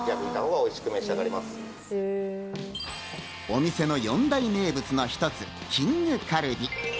お店の四大名物の一つ、きんぐカルビ。